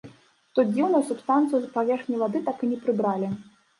Што дзіўна, субстанцыю з паверхні вады так і не прыбралі.